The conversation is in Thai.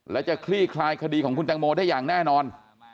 และจะคลี่คลายคดีของคุณตังโมได้อย่างแน่นอน